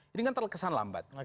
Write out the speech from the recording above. ini kan terkesan lambat